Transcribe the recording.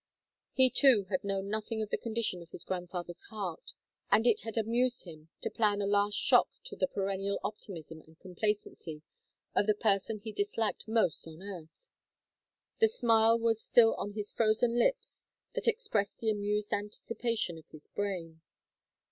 He too had known nothing of the condition of his grandfather's heart, and it had amused him to plan a last shock to the perennial optimism and complacency of the person he disliked most on earth. The smile was still on his frozen lips that expressed the amused anticipation of his brain.